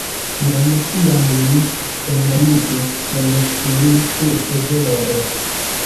Jen tiam mi enamiĝis en ŝin tute vere.